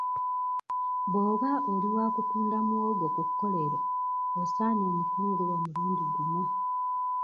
Bw'oba oli wa kutunda muwogo ku kkolero osaanye omukungule omulundi gumu.